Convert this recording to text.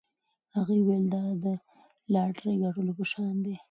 هغې وویل دا د لاټرۍ ګټلو په شان دی.